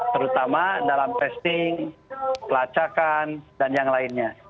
terutama dalam testing pelacakan dan yang lainnya